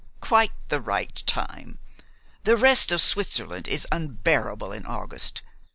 "Quite the right time. The rest of Switzerland is unbearable in August.